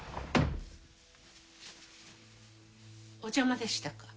お邪魔でしたか？